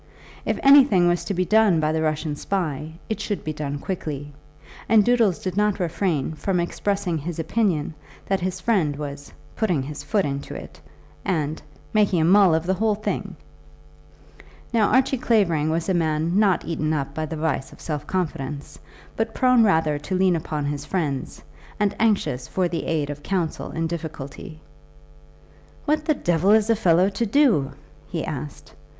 If anything was to be done by the Russian spy it should be done quickly, and Doodles did not refrain from expressing his opinion that his friend was "putting his foot into it," and "making a mull of the whole thing." Now Archie Clavering was a man not eaten up by the vice of self confidence, but prone rather to lean upon his friends and anxious for the aid of counsel in difficulty. "What the devil is a fellow to do?" he asked.